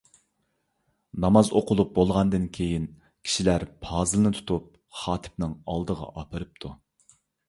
ناماز ئوقۇلۇپ بولغاندىن كېيىن، كىشىلەر پازىلنى تۇتۇپ خاتىپنىڭ ئالدىغا ئاپىرىپتۇ.